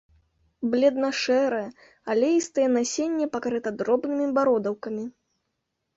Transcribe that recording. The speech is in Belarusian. Бледна-шэрае, алеістае насенне пакрыта дробнымі бародаўкамі.